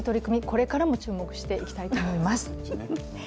これからも注目していきたいと思います。